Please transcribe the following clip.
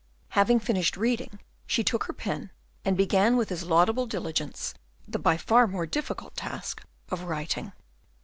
Having finished reading, she took her pen, and began with as laudable diligence the by far more difficult task of writing.